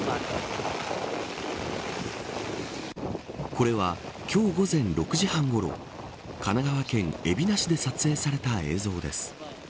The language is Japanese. これは、今日午前６時半ごろ神奈川県海老名市で撮影された映像です。